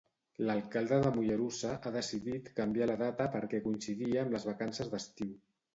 L'alcalde de Mollerussa ha decidit canviar la data perquè coincidia amb les vacances d'estiu.